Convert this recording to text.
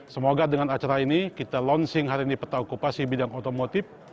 semoga dengan acara ini kita launching hari ini peta okupasi bidang otomotif